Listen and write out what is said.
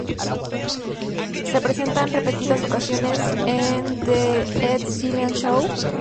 Se presentan repetidas ocasiones en "The Ed Sullivan Show" de forma exitosa.